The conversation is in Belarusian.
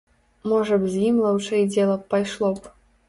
Можа б з ім лаўчэй дзела пайшло б?!